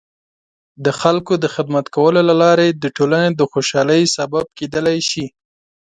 د خلکو د خدمت کولو له لارې د ټولنې د خوشحالۍ سبب کیدلای شي.